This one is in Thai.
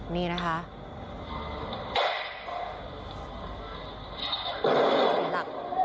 นี่นะคะ